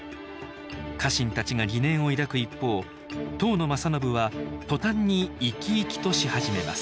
家臣たちが疑念を抱く一方当の正信は途端に生き生きとし始めます